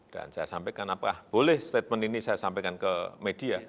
saya sampaikan apakah boleh statement ini saya sampaikan ke media